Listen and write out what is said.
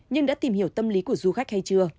nhưng đã tìm hiểu tâm lý của du khách hay chưa